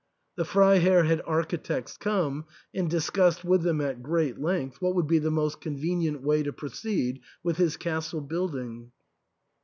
The Freiherr had architects come, and discussed with them at great length what would be the most convenient way to proceed with his castle building.